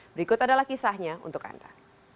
berikut adalah kisahnya untuk anda